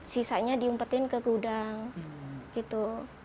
sisanya diumpetin ke gudang gitu